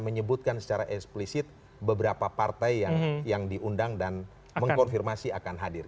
menyebutkan secara eksplisit beberapa partai yang diundang dan mengkonfirmasi akan hadir